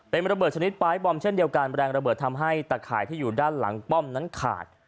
เป็นระเบิดชนิดปลายบอมเช่นเดียวกันแรงระเบิดทำให้ตะข่ายที่อยู่ด้านหลังป้อมนั้นขาด